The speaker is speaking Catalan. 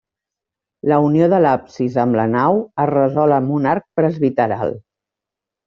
La unió de l'absis amb la nau es resol amb un arc presbiteral.